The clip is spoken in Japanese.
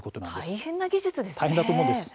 大変な技術ですね！